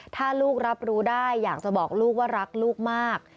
ถ้าลูกรับรู้ได้อยากจะบอกลูกว่ารักลูกมาก